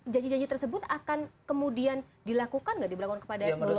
janji janji tersebut akan kemudian dilakukan gak di belakang kepada perempuan gitu ya